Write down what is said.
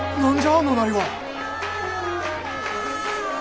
あのなりは。